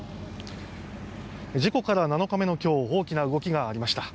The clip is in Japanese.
事故から７日目の今日大きな動きがありました。